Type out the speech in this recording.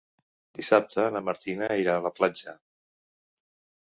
Dissabte na Martina irà a la platja.